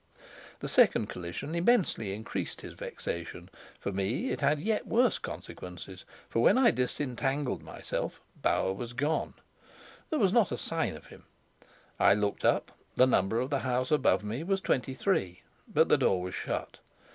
The second collision immensely increased his vexation; for me it had yet worse consequences; for when I disentangled myself, Bauer was gone! There was not a sign of him; I looked up: the number of the house above me was twenty three; but the door was shut.